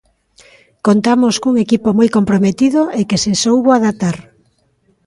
Contamos cun equipo moi comprometido e que se soubo adaptar.